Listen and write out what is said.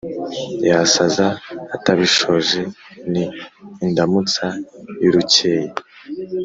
Yasaza atabishoje, Ni indamutsa y'urukeye